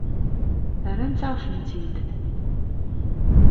Rrant-aɣ-tent-id.